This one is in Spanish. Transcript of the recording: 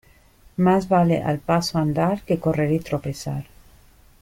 Más vale al paso andar que correr y tropezar.